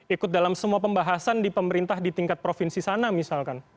ikut dalam semua pembahasan di pemerintah di tingkat provinsi sana misalkan